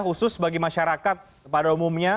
khusus bagi masyarakat pada umumnya